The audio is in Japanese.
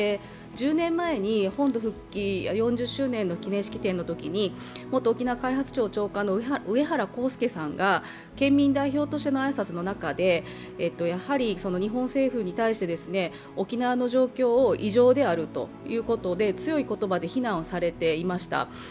１０年前に本土復帰４０周年の記念式典のときに元沖縄開発庁長官のうえはらこうすけさんが県民代表としての挨拶の中で、やはり日本政府に対して、沖縄の状況を異常であるということで強い言葉で非難をされていました。